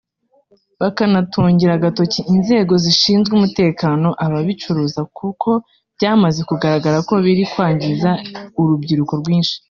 bakanatungira agatoki inzego zishinzwe umutekano ababicuruza kuko byamaze kugaragara ko biri kwangiza urubyiruko rwinshi